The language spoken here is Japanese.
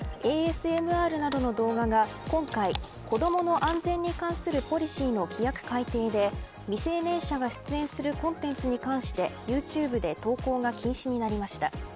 ＡＳＭＲなどの動画が今回子どもの安全に関するポリシーの規約改定で未成年者が出演するコンテンツに関して、ユーチューブで投稿が禁止になりました。